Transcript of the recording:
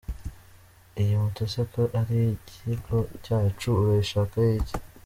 Iyi moto se ko ari iy’ikigo cyacu urayishakaho iki?